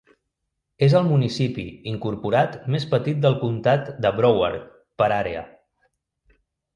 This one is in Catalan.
És el municipi incorporat més petit del comtat de Broward per àrea.